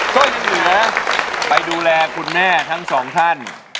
จ้วยมิลเหลือไปดูแลคุณแหน้ทั้ง๒ท่าน